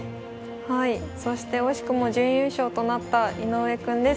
はいそして惜しくも準優勝となった井上くんです。